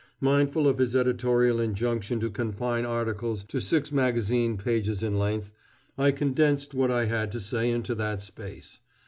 Mindful of his editorial injunction to confine articles to six magazine pages in length, I condensed what I had to say into that space.